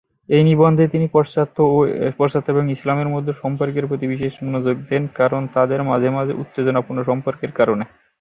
এই নিবন্ধে, তিনি পাশ্চাত্য এবং ইসলামের মধ্যে সম্পর্কের প্রতি বিশেষ মনোযোগ দেন কারণ তাদের মাঝে মাঝে উত্তেজনাপূর্ণ সম্পর্কের কারণে।